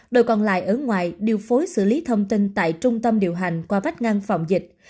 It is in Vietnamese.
đội còn lại ở ngoài điều phối xử lý thông tin tại trung tâm điều hành qua vách ngăn phòng dịch